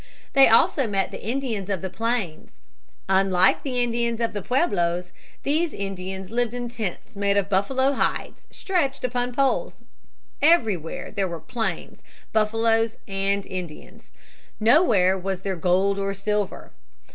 They also met the Indians of the Plains. Unlike the Indians of the pueblos, these Indians lived in tents made of buffalo hides stretched upon poles. Everywhere there were plains, buffaloes, and Indians. Nowhere was there gold or silver.